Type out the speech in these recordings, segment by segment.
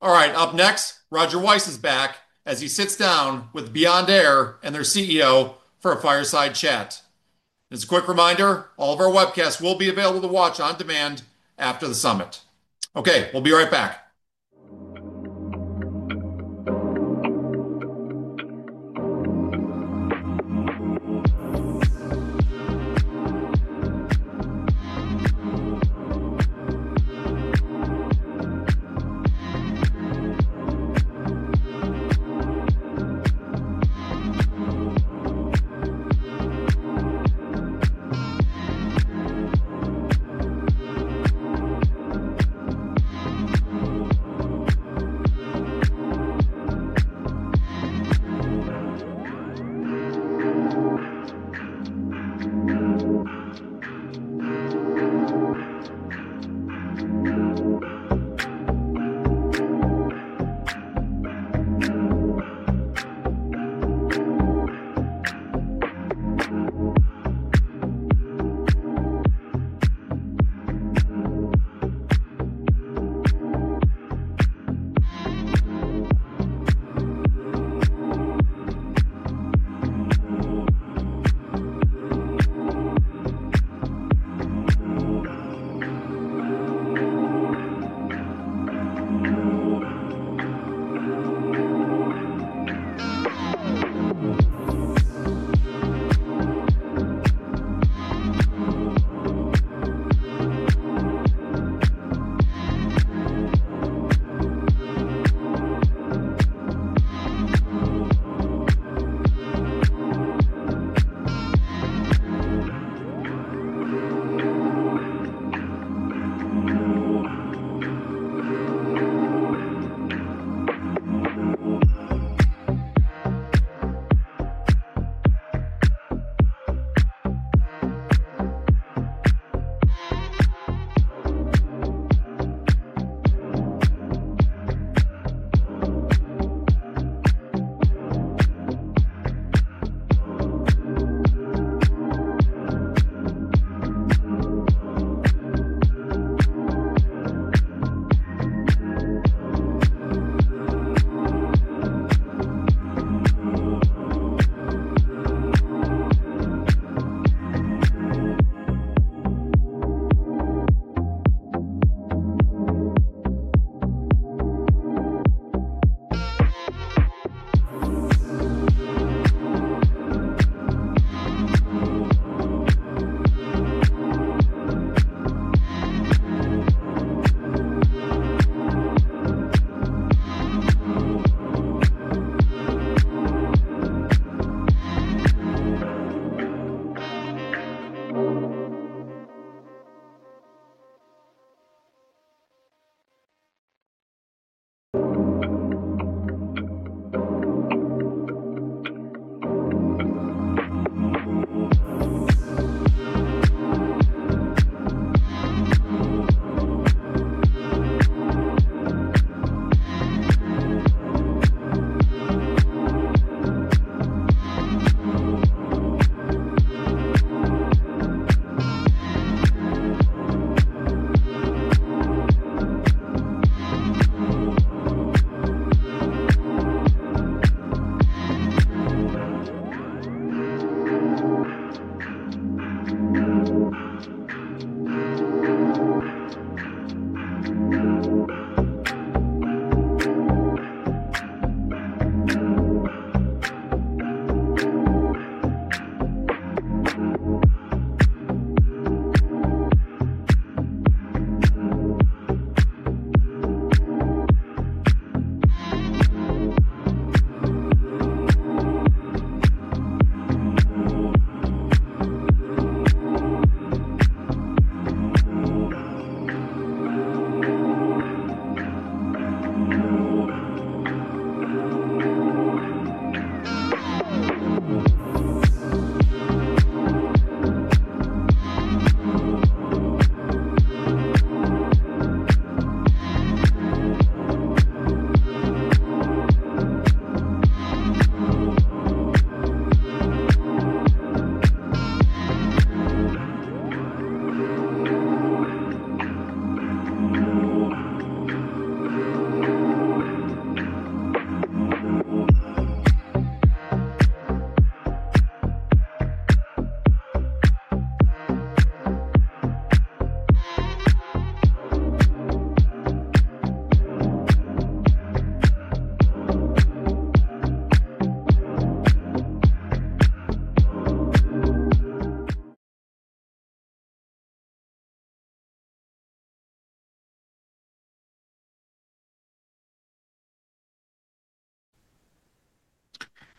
All right, up next, Roger Weiss is back as he sits down with Beyond Air and their CEO for a fireside chat. As a quick reminder, all of our webcasts will be available to watch on demand after the summit. Okay, we'll be right back.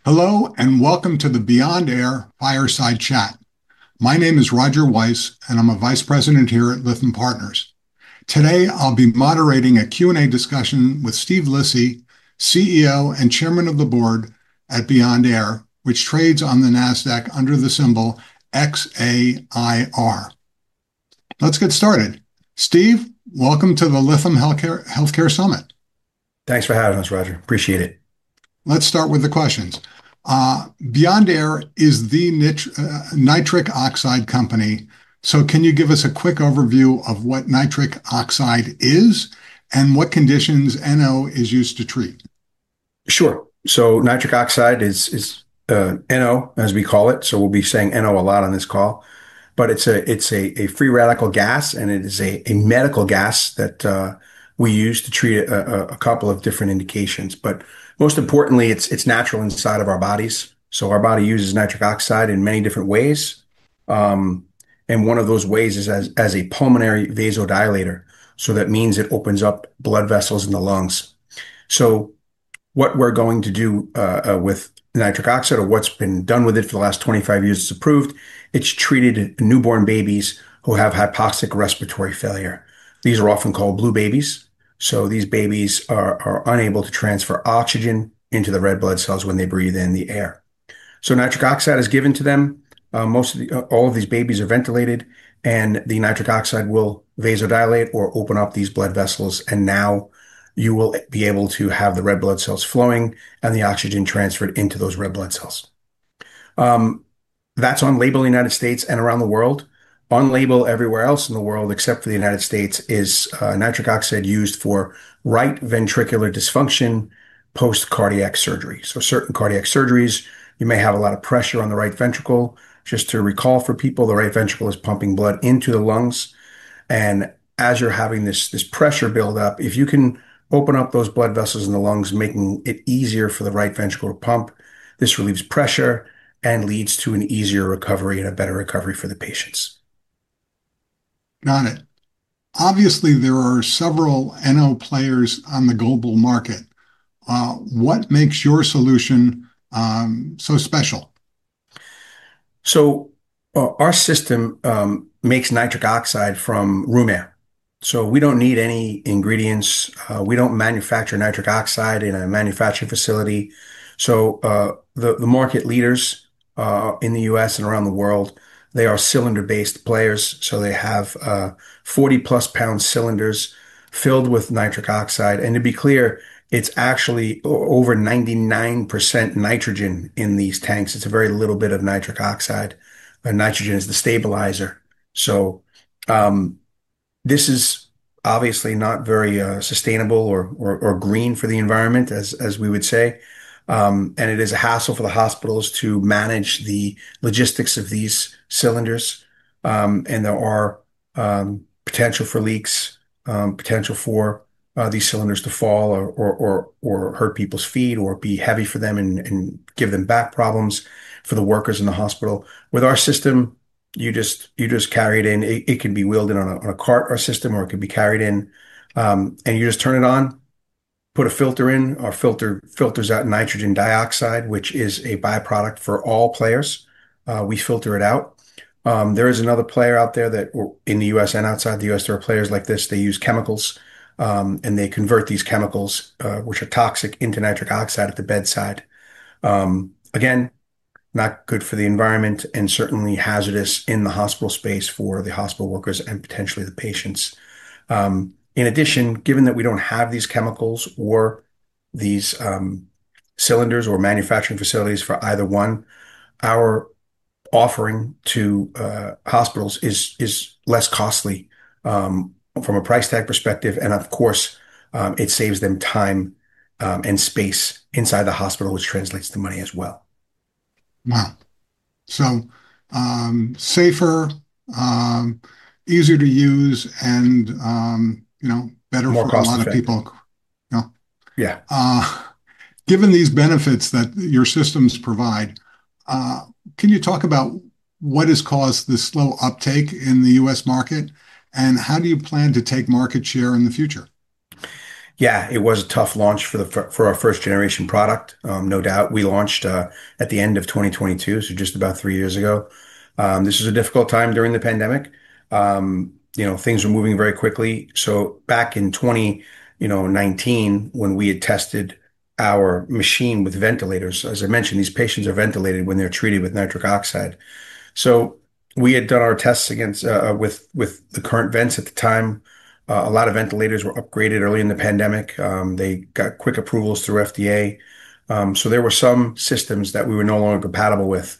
Hello and welcome to the Beyond Air fireside chat. My name is Roger Weiss, and I'm a vice president here at Lytham Partners. Today, I'll be moderating a Q&A discussion with Steve Lisi, CEO and Chairman of the Board at Beyond Air, which trades on the NASDAQ under the symbol XAIR. Let's get started. Steve, welcome to the Lytham Healthcare Summit. Thanks for having us, Roger. Appreciate it. Let's start with the questions. Beyond Air is the nitric oxide company. So can you give us a quick overview of what nitric oxide is and what conditions NO is used to treat? Sure. So nitric oxide is NO, as we call it. So we'll be saying NO a lot on this call. But it's a free radical gas, and it is a medical gas that we use to treat a couple of different indications. But most importantly, it's natural inside of our bodies. So our body uses nitric oxide in many different ways. And one of those ways is as a pulmonary vasodilator. So that means it opens up blood vessels in the lungs. So what we're going to do with nitric oxide, or what's been done with it for the last 25 years, it's approved. It's treated newborn babies who have hypoxic respiratory failure. These are often called blue babies. So these babies are unable to transfer oxygen into the red blood cells when they breathe in the air. So nitric oxide is given to them. All of these babies are ventilated, and the nitric oxide will vasodilate or open up these blood vessels. And now you will be able to have the red blood cells flowing and the oxygen transferred into those red blood cells. That's on label in the United States and around the world. On label everywhere else in the world, except for the United States, is nitric oxide used for right ventricular dysfunction post-cardiac surgery. So certain cardiac surgeries, you may have a lot of pressure on the right ventricle. Just to recall for people, the right ventricle is pumping blood into the lungs. And as you're having this pressure build up, if you can open up those blood vessels in the lungs, making it easier for the right ventricle to pump, this relieves pressure and leads to an easier recovery and a better recovery for the patients. Got it. Obviously, there are several NO players on the global market. What makes your solution so special? Our system makes nitric oxide from room air. We don't need any ingredients. We don't manufacture nitric oxide in a manufacturing facility. The market leaders in the U.S. and around the world, they are cylinder-based players. They have 40+ pound cylinders filled with nitric oxide. To be clear, it's actually over 99% nitrogen in these tanks. It's a very little bit of nitric oxide. Nitrogen is the stabilizer. This is obviously not very sustainable or green for the environment, as we would say. It is a hassle for the hospitals to manage the logistics of these cylinders. There are potential for leaks, potential for these cylinders to fall or hurt people's feet or be heavy for them and give them back problems for the workers in the hospital. With our system, you just carry it in. It can be wheeled in on a cart or a system, or it can be carried in, and you just turn it on, put a filter in, our filter filters out nitrogen dioxide, which is a byproduct for all players. We filter it out. There is another player out there, in the U.S. and outside the U.S., there are players like this. They use chemicals, and they convert these chemicals, which are toxic, into nitric oxide at the bedside. Again, not good for the environment and certainly hazardous in the hospital space for the hospital workers and potentially the patients. In addition, given that we don't have these chemicals or these cylinders or manufacturing facilities for either one, our offering to hospitals is less costly from a price tag perspective, and of course, it saves them time and space inside the hospital, which translates to money as well. Wow, so safer, easier to use, and better for a lot of people. More cost-effective. Yeah. Given these benefits that your systems provide, can you talk about what has caused the slow uptake in the U.S. market, and how do you plan to take market share in the future? Yeah, it was a tough launch for our first-generation product. No doubt. We launched at the end of 2022, so just about three years ago. This was a difficult time during the pandemic. Things were moving very quickly. So back in 2019, when we had tested our machine with ventilators, as I mentioned, these patients are ventilated when they're treated with nitric oxide. So we had done our tests against with the current vents at the time. A lot of ventilators were upgraded early in the pandemic. They got quick approvals through FDA. So there were some systems that we were no longer compatible with.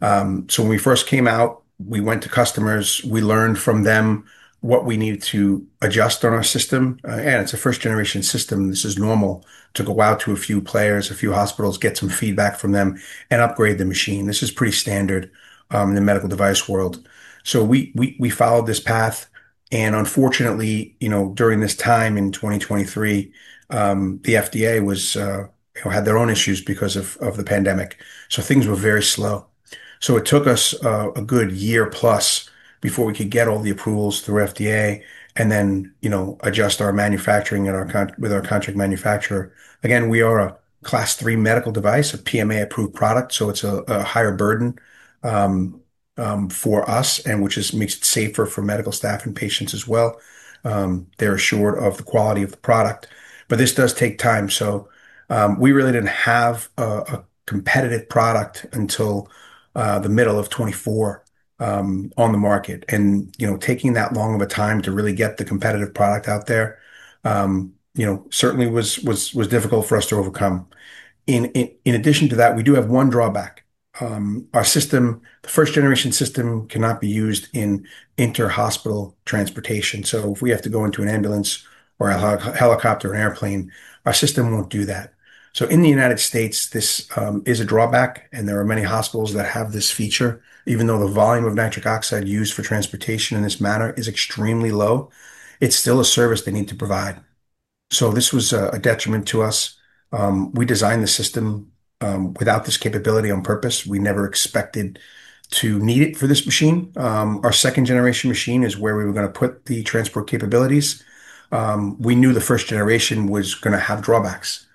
So when we first came out, we went to customers. We learned from them what we needed to adjust on our system. Again, it's a first-generation system. This is normal. Took a while to a few players, a few hospitals, get some feedback from them and upgrade the machine. This is pretty standard in the medical device world, so we followed this path and unfortunately, during this time in 2023, the FDA had their own issues because of the pandemic, so things were very slow, so it took us a good year plus before we could get all the approvals through FDA and then adjust our manufacturing with our contract manufacturer. Again, we are a Class III medical device, a PMA-approved product, so it's a higher burden for us, which makes it safer for medical staff and patients as well. They're assured of the quality of the product, but this does take time, so we really didn't have a competitive product until the middle of 2024 on the market. Taking that long of a time to really get the competitive product out there certainly was difficult for us to overcome. In addition to that, we do have one drawback. Our system, the first-generation system, cannot be used in inter-hospital transportation. So if we have to go into an ambulance or a helicopter or an airplane, our system won't do that. So in the United States, this is a drawback. And there are many hospitals that have this feature. Even though the volume of nitric oxide used for transportation in this manner is extremely low, it's still a service they need to provide. So this was a detriment to us. We designed the system without this capability on purpose. We never expected to need it for this machine. Our second-generation machine is where we were going to put the transport capabilities. We knew the first generation was going to have drawbacks,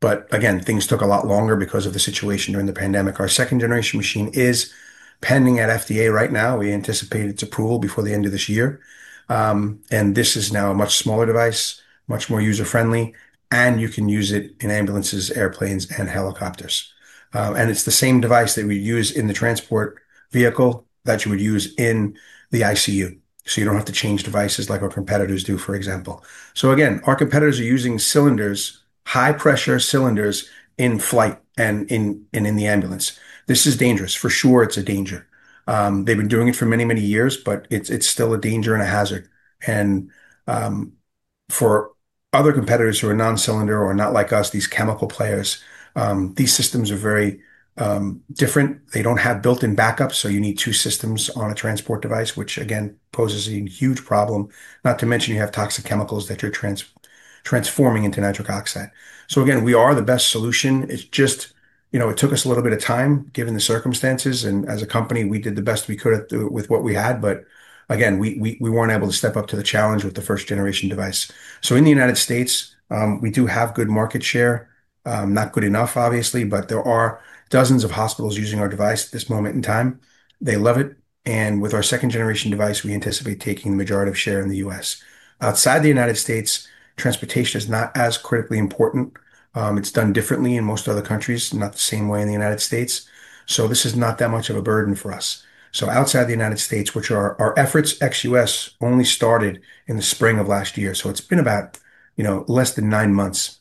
but again, things took a lot longer because of the situation during the pandemic. Our second-generation machine is pending at FDA right now. We anticipate its approval before the end of this year, and this is now a much smaller device, much more user-friendly, and you can use it in ambulances, airplanes, and helicopters, and it's the same device that we use in the transport vehicle that you would use in the ICU, so you don't have to change devices like our competitors do, for example, so again, our competitors are using cylinders, high-pressure cylinders in flight and in the ambulance. This is dangerous. For sure, it's a danger. They've been doing it for many, many years, but it's still a danger and a hazard. For other competitors who are non-cylinder or not like us, these chemical players, these systems are very different. They don't have built-in backups. You need two systems on a transport device, which again, poses a huge problem. Not to mention you have toxic chemicals that you're transforming into nitric oxide. Again, we are the best solution. It's just it took us a little bit of time given the circumstances. As a company, we did the best we could with what we had. Again, we weren't able to step up to the challenge with the first-generation device. In the United States, we do have good market share. Not good enough, obviously, but there are dozens of hospitals using our device at this moment in time. They love it. With our second-generation device, we anticipate taking the majority of share in the U.S.. Outside the United States, transportation is not as critically important. It's done differently in most other countries, not the same way in the United States. So this is not that much of a burden for us. So outside the United States, which our efforts ex-U.S.. only started in the spring of last year. So it's been about less than nine months.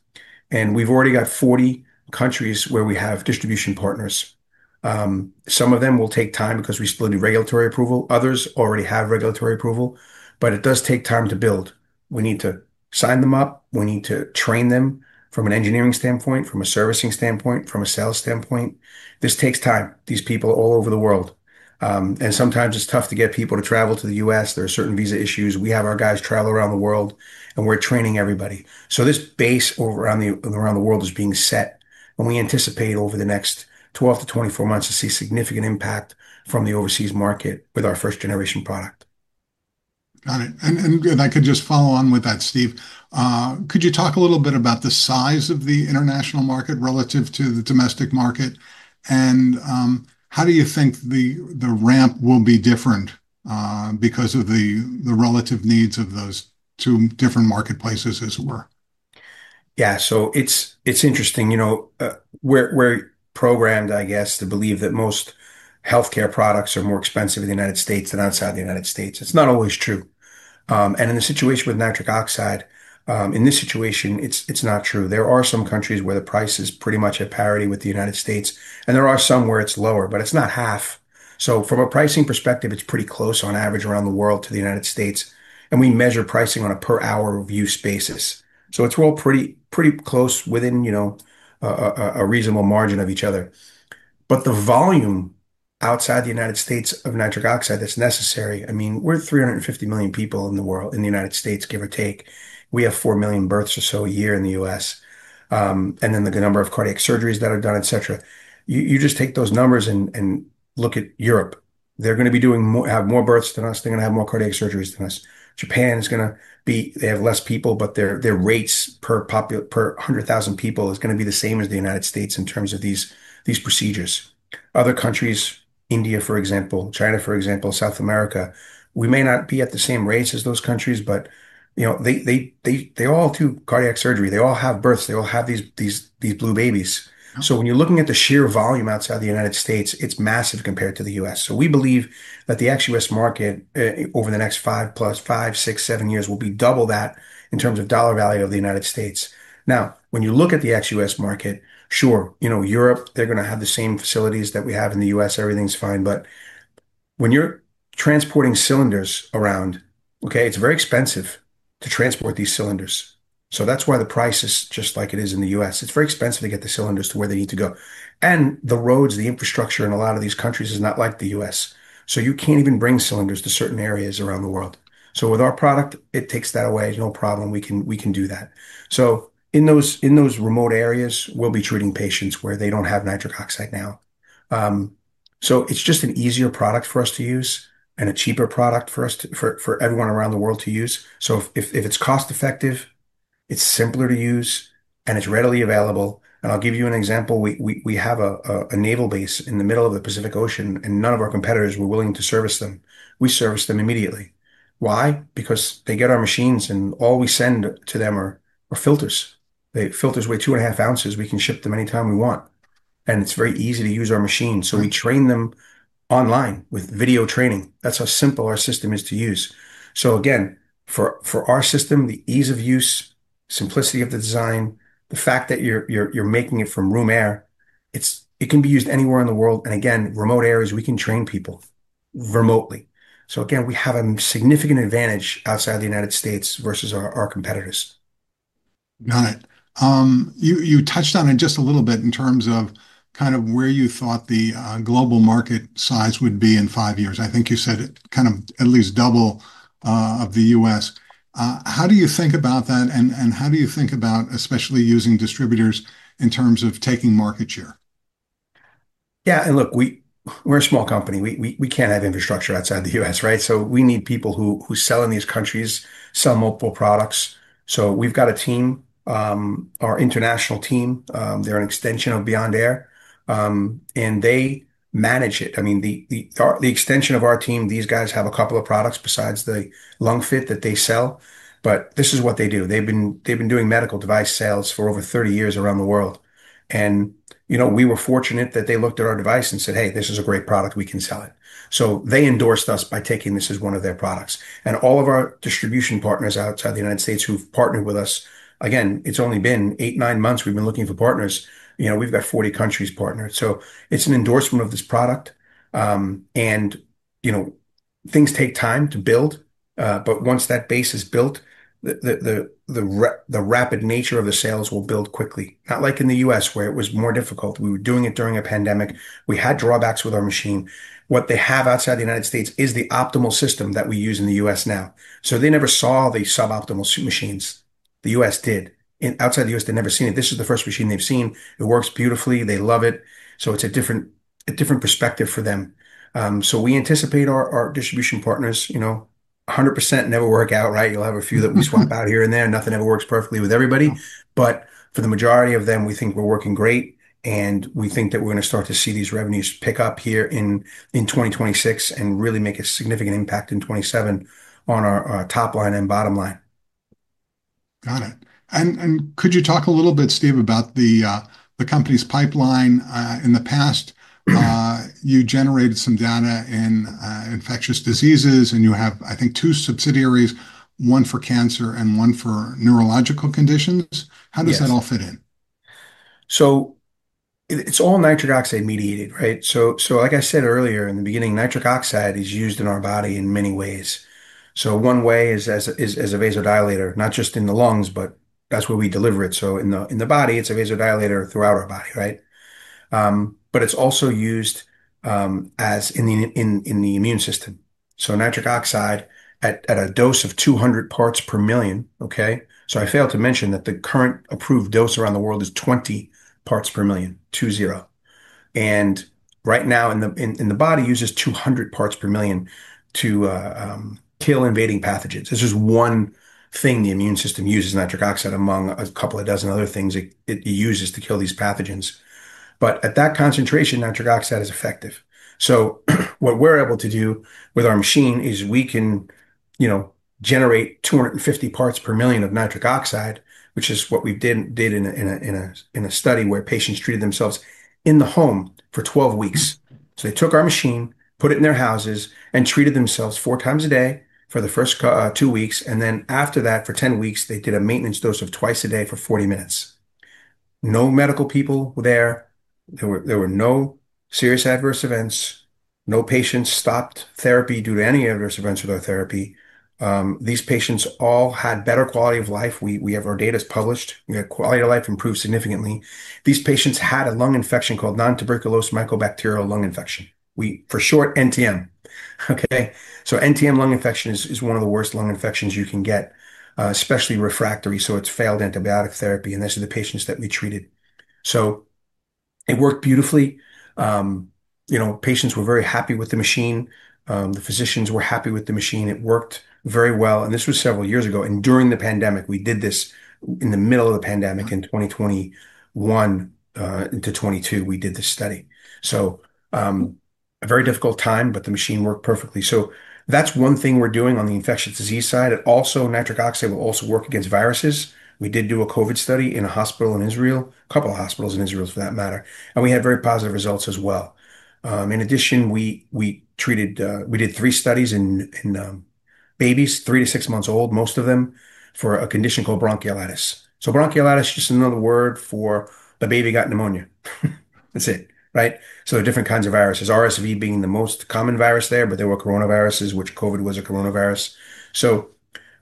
And we've already got 40 countries where we have distribution partners. Some of them will take time because we still need regulatory approval. Others already have regulatory approval. But it does take time to build. We need to sign them up. We need to train them from an engineering standpoint, from a servicing standpoint, from a sales standpoint. This takes time, these people all over the world. And sometimes it's tough to get people to travel to the U.S.. There are certain visa issues. We have our guys travel around the world, and we're training everybody. So this base around the world is being set. And we anticipate over the next 12 months-24 months to see significant impact from the overseas market with our first-generation product. Got it. And I could just follow on with that, Steve. Could you talk a little bit about the size of the international market relative to the domestic market? And how do you think the ramp will be different because of the relative needs of those two different marketplaces, as it were? Yeah. So it's interesting. We're programmed, I guess, to believe that most healthcare products are more expensive in the United States than outside the United States. It's not always true. And in the situation with nitric oxide, in this situation, it's not true. There are some countries where the price is pretty much at parity with the United States. And there are some where it's lower, but it's not half. So from a pricing perspective, it's pretty close on average around the world to the United States. And we measure pricing on a per-hour view basis. So it's all pretty close within a reasonable margin of each other. But the volume outside the United States of nitric oxide that's necessary, I mean, we're 350 million people in the world, in the United States, give or take. We have 4 million births or so a year in the U.S.. And then the number of cardiac surgeries that are done, etc. You just take those numbers and look at Europe. They're going to have more births than us. They're going to have more cardiac surgeries than us. Japan is going to be they have less people, but their rates per 100,000 people is going to be the same as the United States in terms of these procedures. Other countries, India, for example, China, for example, South America, we may not be at the same rates as those countries, but they all do cardiac surgery. They all have births. They all have these blue babies. So when you're looking at the sheer volume outside the United States, it's massive compared to the US.. We believe that the ex-U.S. market over the next five plus five, six, seven years will be double that in terms of dollar value of the United States. Now, when you look at the ex-U.S. market, sure, Europe, they're going to have the same facilities that we have in the U.S.. Everything's fine. But when you're transporting cylinders around, okay, it's very expensive to transport these cylinders. So that's why the price is just like it is in the U.S. It's very expensive to get the cylinders to where they need to go. And the roads, the infrastructure in a lot of these countries is not like the U.S.. So you can't even bring cylinders to certain areas around the world. So with our product, it takes that away. No problem. We can do that. So in those remote areas, we'll be treating patients where they don't have nitric oxide now. So it's just an easier product for us to use and a cheaper product for everyone around the world to use. So if it's cost-effective, it's simpler to use, and it's readily available. And I'll give you an example. We have a naval base in the middle of the Pacific Ocean, and none of our competitors were willing to service them. We service them immediately. Why? Because they get our machines, and all we send to them are filters. Filters weigh two and a half ounces. We can ship them anytime we want. And it's very easy to use our machines. So we train them online with video training. That's how simple our system is to use. So again, for our system, the ease of use, simplicity of the design, the fact that you're making it from room air, it can be used anywhere in the world. And again, remote areas, we can train people remotely. So again, we have a significant advantage outside the United States versus our competitors. Got it. You touched on it just a little bit in terms of kind of where you thought the global market size would be in five years. I think you said it kind of at least double of the U.S.. How do you think about that? And how do you think about especially using distributors in terms of taking market share? Yeah. And look, we're a small company. We can't have infrastructure outside the U.S., right? So we need people who sell in these countries, sell multiple products. So we've got a team, our international team. They're an extension of Beyond Air. And they manage it. I mean, the extension of our team, these guys have a couple of products besides the LungFit that they sell. But this is what they do. They've been doing medical device sales for over 30 years around the world. And we were fortunate that they looked at our device and said, "Hey, this is a great product. We can sell it." So they endorsed us by taking this as one of their products. And all of our distribution partners outside the United States who've partnered with us, again, it's only been eight, nine months we've been looking for partners. We've got 40 countries partnered. It's an endorsement of this product. And things take time to build. But once that base is built, the rapid nature of the sales will build quickly. Not like in the U.S., where it was more difficult. We were doing it during a pandemic. We had drawbacks with our machine. What they have outside the United States is the optimal system that we use in the U.S. now. So they never saw the suboptimal machines. The U.S. did. Outside the U.S., they've never seen it. This is the first machine they've seen. It works beautifully. They love it. So it's a different perspective for them. So we anticipate our distribution partners 100% never work out, right? You'll have a few that we swap out here and there. Nothing ever works perfectly with everybody. But for the majority of them, we think we're working great. We think that we're going to start to see these revenues pick up here in 2026 and really make a significant impact in 2027 on our top line and bottom line. Got it. And could you talk a little bit, Steve, about the company's pipeline? In the past, you generated some data in infectious diseases, and you have, I think, two subsidiaries, one for cancer and one for neurological conditions. How does that all fit in? So it's all nitric oxide mediated, right? So like I said earlier in the beginning, nitric oxide is used in our body in many ways. So one way is as a vasodilator, not just in the lungs, but that's where we deliver it. So in the body, it's a vasodilator throughout our body, right? But it's also used in the immune system. So nitric oxide at a dose of 200 parts per million, okay? So I failed to mention that the current approved dose around the world is 20 parts per million, two-zero. And right now, in the body, it uses 200 parts per million to kill invading pathogens. This is one thing the immune system uses, nitric oxide, among a couple of dozen other things it uses to kill these pathogens. But at that concentration, nitric oxide is effective. So what we're able to do with our machine is we can generate 250 parts per million of nitric oxide, which is what we did in a study where patients treated themselves in the home for 12 weeks. So they took our machine, put it in their houses, and treated themselves four times a day for the first two weeks. And then after that, for 10 weeks, they did a maintenance dose of twice a day for 40 minutes. No medical people there. There were no serious adverse events. No patients stopped therapy due to any adverse events with our therapy. These patients all had better quality of life. We have our data is published. We had quality of life improved significantly. These patients had a lung infection called nontuberculous mycobacterial lung infection, for short, NTM. Okay? NTM lung infection is one of the worst lung infections you can get, especially refractory. It's failed antibiotic therapy. These are the patients that we treated. It worked beautifully. Patients were very happy with the machine. The physicians were happy with the machine. It worked very well. This was several years ago. During the pandemic, we did this in the middle of the pandemic in 2021 into 2022, we did this study, a very difficult time, but the machine worked perfectly. That's one thing we're doing on the infectious disease side. Also, nitric oxide will also work against viruses. We did do a COVID study in a hospital in Israel, a couple of hospitals in Israel for that matter. We had very positive results as well. In addition, we did three studies in babies, three to six months old, most of them, for a condition called bronchiolitis. So bronchiolitis is just another word for the baby got pneumonia. That's it, right? So there are different kinds of viruses, RSV being the most common virus there, but there were coronaviruses, which COVID was a coronavirus. So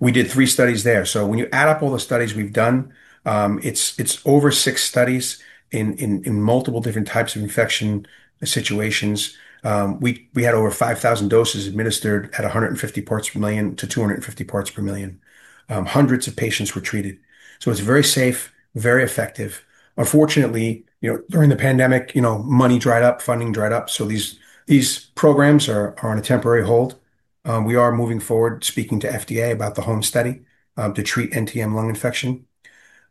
we did three studies there. So when you add up all the studies we've done, it's over six studies in multiple different types of infection situations. We had over 5,000 doses administered at 150-250 parts per million. Hundreds of patients were treated. So it's very safe, very effective. Unfortunately, during the pandemic, money dried up, funding dried up. So these programs are on a temporary hold. We are moving forward, speaking to FDA about the home study to treat NTM lung infection.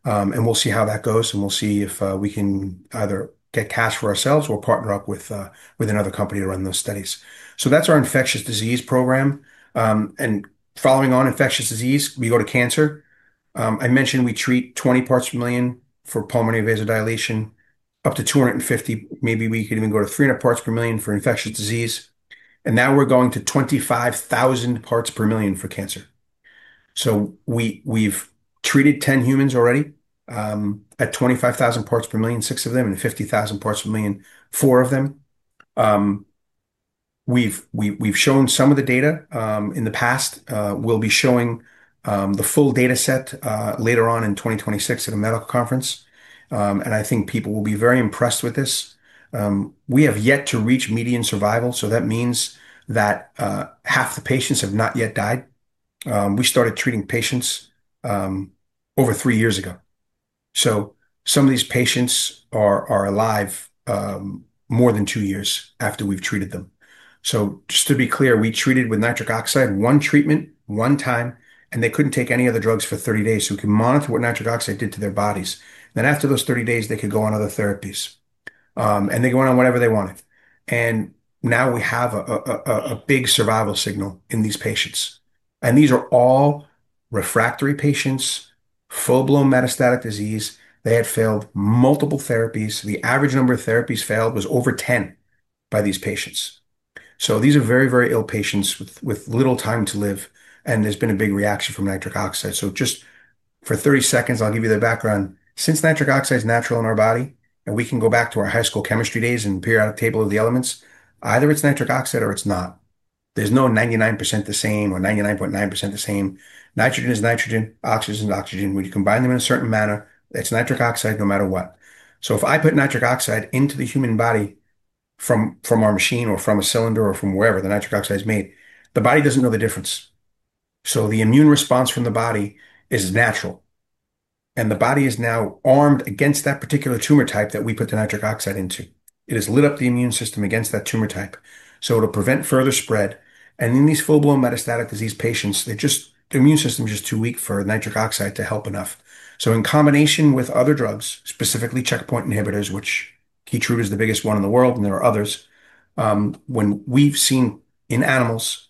We'll see how that goes. We'll see if we can either get cash for ourselves or partner up with another company to run those studies. That's our infectious disease program. Following on infectious disease, we go to cancer. I mentioned we treat 20 parts per million for pulmonary vasodilation, up to 250. Maybe we could even go to 300 parts per million for infectious disease. Now we're going to 25,000 parts per million for cancer. We've treated 10 humans already at 25,000 parts per million, six of them, and 50,000 parts per million, four of them. We've shown some of the data in the past. We'll be showing the full data set later on in 2026 at a medical conference. I think people will be very impressed with this. We have yet to reach median survival. So that means that half the patients have not yet died. We started treating patients over three years ago. So some of these patients are alive more than two years after we've treated them. So just to be clear, we treated with nitric oxide, one treatment, one time, and they couldn't take any other drugs for 30 days. So we can monitor what nitric oxide did to their bodies. Then after those 30 days, they could go on other therapies. And they go on whatever they wanted. And now we have a big survival signal in these patients. And these are all refractory patients, full-blown metastatic disease. They had failed multiple therapies. The average number of therapies failed was over 10 by these patients. So these are very, very ill patients with little time to live. And there's been a big reaction from nitric oxide. So just for 30 seconds, I'll give you the background. Since nitric oxide is natural in our body, and we can go back to our high school chemistry days and periodic table of the elements, either it's nitric oxide or it's not. There's no 99% the same or 99.9% the same. Nitrogen is nitrogen. Oxygen is oxygen. When you combine them in a certain manner, it's nitric oxide no matter what. So if I put nitric oxide into the human body from our machine or from a cylinder or from wherever the nitric oxide is made, the body doesn't know the difference. So the immune response from the body is natural. And the body is now armed against that particular tumor type that we put the nitric oxide into. It has lit up the immune system against that tumor type. So it'll prevent further spread. In these full-blown metastatic disease patients, the immune system is just too weak for nitric oxide to help enough. So in combination with other drugs, specifically checkpoint inhibitors, which Keytruda is the biggest one in the world, and there are others, when we've seen in animals,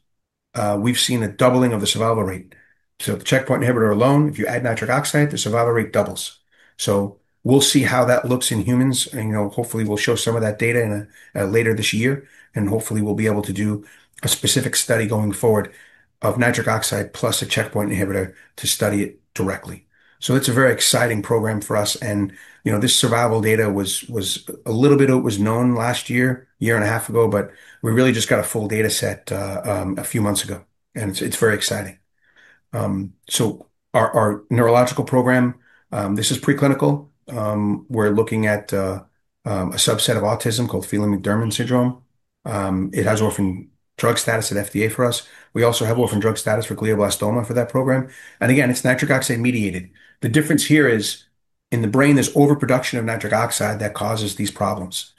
we've seen a doubling of the survival rate. So the checkpoint inhibitor alone, if you add nitric oxide, the survival rate doubles. So we'll see how that looks in humans. And hopefully, we'll show some of that data later this year. And hopefully, we'll be able to do a specific study going forward of nitric oxide plus a checkpoint inhibitor to study it directly. So it's a very exciting program for us. And this survival data was a little bit known last year, year and a half ago, but we really just got a full data set a few months ago. And it's very exciting. So our neurological program, this is preclinical. We're looking at a subset of autism called Phelan-McDermid syndrome. It has orphan drug status at FDA for us. We also have orphan drug status for glioblastoma for that program. And again, it's nitric oxide mediated. The difference here is in the brain, there's overproduction of nitric oxide that causes these problems.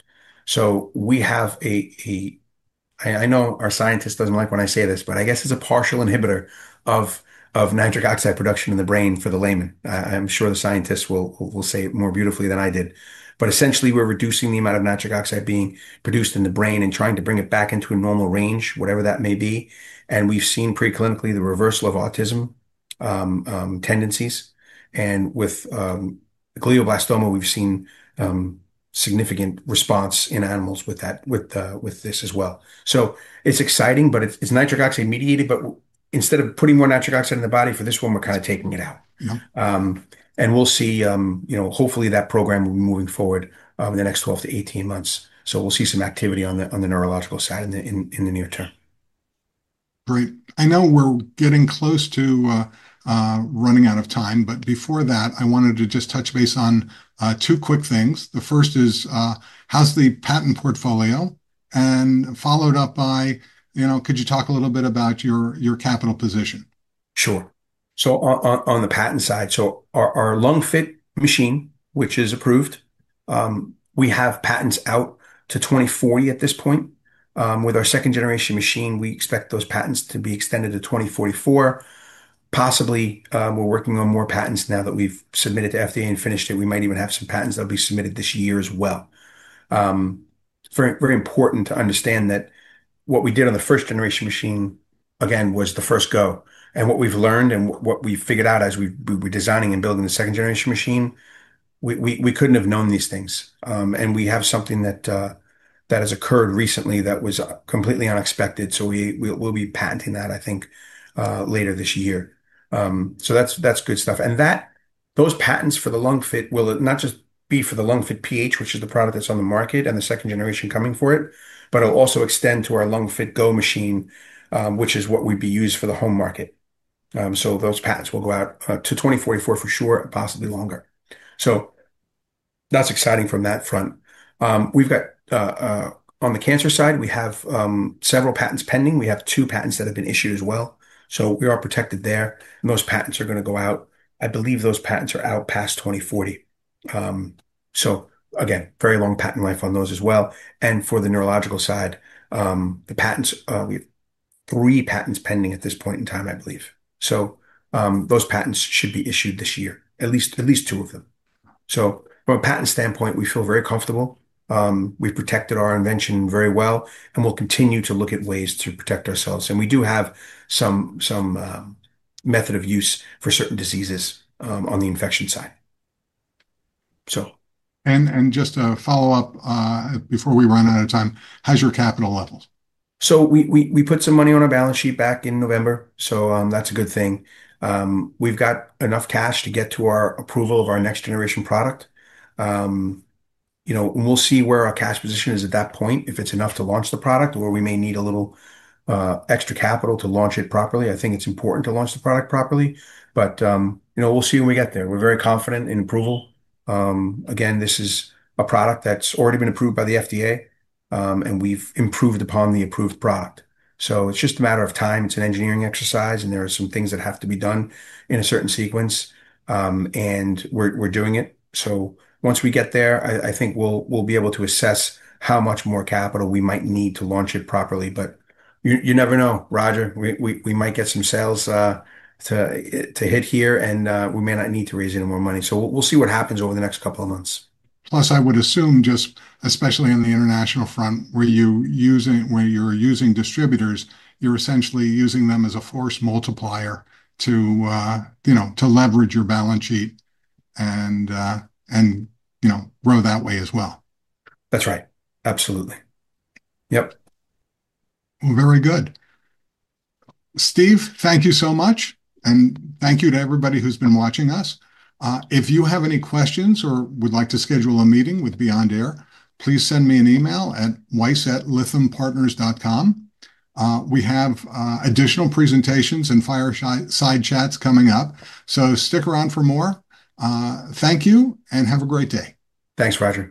So we have a - I know our scientist doesn't like when I say this, but I guess it's a partial inhibitor of nitric oxide production in the brain for the layman. I'm sure the scientist will say it more beautifully than I did. But essentially, we're reducing the amount of nitric oxide being produced in the brain and trying to bring it back into a normal range, whatever that may be. And we've seen preclinically the reversal of autism tendencies. And with glioblastoma, we've seen significant response in animals with this as well. So it's exciting, but it's nitric oxide mediated. But instead of putting more nitric oxide in the body for this one, we're kind of taking it out. And we'll see, hopefully, that program will be moving forward in the next 12-18 months. So we'll see some activity on the neurological side in the near term. Great. I know we're getting close to running out of time, but before that, I wanted to just touch base on two quick things. The first is, how's the patent portfolio? And followed up by, could you talk a little bit about your capital position? Sure. So on the patent side, so our LungFit machine, which is approved, we have patents out to 2040 at this point. With our second-generation machine, we expect those patents to be extended to 2044. Possibly, we're working on more patents now that we've submitted to FDA and finished it. We might even have some patents that'll be submitted this year as well. Very important to understand that what we did on the first-generation machine, again, was the first go. And what we've learned and what we've figured out as we were designing and building the second-generation machine, we couldn't have known these things. And we have something that has occurred recently that was completely unexpected. So we'll be patenting that, I think, later this year. So that's good stuff. Those patents for the LungFit will not just be for the LungFit PH, which is the product that's on the market and the second generation coming for it, but it'll also extend to our LungFit GO machine, which is what we'd be used for the home market. Those patents will go out to 2044 for sure, possibly longer. That's exciting from that front. On the cancer side, we have several patents pending. We have two patents that have been issued as well. We are protected there. Those patents are going to go out. I believe those patents are out past 2040. Again, very long patent life on those as well. For the neurological side, the patents, we have three patents pending at this point in time, I believe. So those patents should be issued this year, at least two of them. So from a patent standpoint, we feel very comfortable. We've protected our invention very well, and we'll continue to look at ways to protect ourselves. And we do have some method of use for certain diseases on the infection side. Just to follow up before we run out of time, how's your capital level? So we put some money on our balance sheet back in November. So that's a good thing. We've got enough cash to get to our approval of our next-generation product. We'll see where our cash position is at that point, if it's enough to launch the product, or we may need a little extra capital to launch it properly. I think it's important to launch the product properly. But we'll see when we get there. We're very confident in approval. Again, this is a product that's already been approved by the FDA, and we've improved upon the approved product. So it's just a matter of time. It's an engineering exercise, and there are some things that have to be done in a certain sequence. And we're doing it. So once we get there, I think we'll be able to assess how much more capital we might need to launch it properly. But you never know, Roger. We might get some sales to hit here, and we may not need to raise any more money. So we'll see what happens over the next couple of months. Plus, I would assume, just especially on the international front, where you're using distributors, you're essentially using them as a force multiplier to leverage your balance sheet and grow that way as well. That's right. Absolutely. Yep. Well, very good. Steve, thank you so much. And thank you to everybody who's been watching us. If you have any questions or would like to schedule a meeting with Beyond Air, please send me an email at weiss@lythampartners.com. We have additional presentations and fireside chats coming up. So stick around for more. Thank you and have a great day. Thanks, Roger.